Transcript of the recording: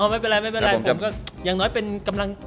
อ๋อไม่เป็นไรอย่างน้อยเป็นกำลัง